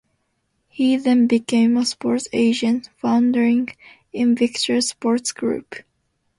He then became a sports agent, founding Invictus Sports Group.